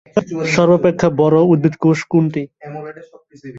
সর্বাপেক্ষা বড় উদ্ভিদকোষ কোনটি?